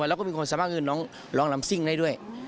แล้วก็มีคนสามารถเงินน้องร้องลำซิ่งได้ด้วย